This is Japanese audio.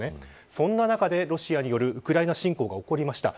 そんな中でロシアによるウクライナ侵攻が起こりました。